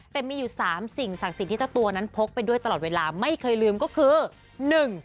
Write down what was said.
แต่มีอยู่สามสิ่งศักดิ์สิทธิ์ที่เจ้าตัวนั้นพกไปด้วยตลอดเวลาไม่เคยลืมก็คือหนึ่ง